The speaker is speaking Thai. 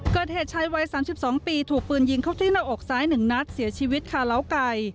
เกิดเหตุชายวัย๓๒ปีถูกปืนยิงเข้าที่หน้าอกซ้าย๑นัดเสียชีวิตคาเล้าไก่